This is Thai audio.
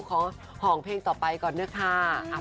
ของห่องเพลงต่อไปก่อนนะคะ